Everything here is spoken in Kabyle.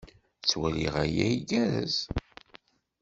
Ttwaliɣ aya igerrez.